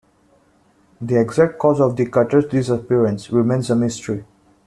The exact cause of the cutter's disappearance remains a mystery.